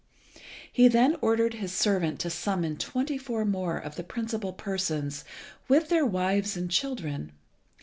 He then ordered his servant to summon twenty four more of the principal persons, with their wives and children.